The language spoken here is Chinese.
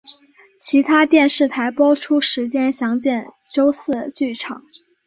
其他电视台播出时间详见周四剧场。